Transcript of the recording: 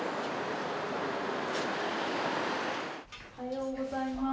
おはようございます。